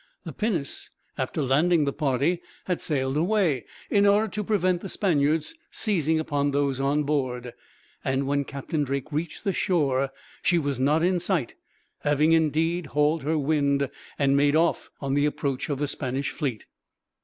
The pinnace, after landing the party, had sailed away, in order to prevent the Spaniards seizing upon those on board; and when Captain Drake reached the shore she was not in sight, having indeed hauled her wind, and made off, on the approach of the Spanish fleet.